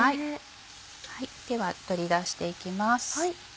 では取り出していきます。。